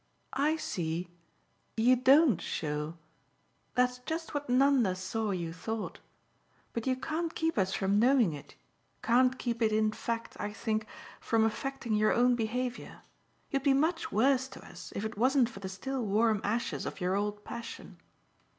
"I see you DON'T show. That's just what Nanda saw you thought! But you can't keep us from knowing it can't keep it in fact, I think, from affecting your own behaviour. You'd be much worse to us if it wasn't for the still warm ashes of your old passion."